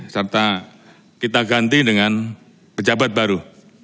serta kita ganti dengan pejabat baru